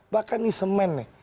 bahkan ini semen nih